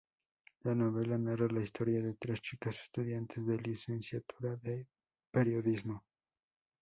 La novela narra la historia de tres chicas estudiantes de licenciatura en periodismo.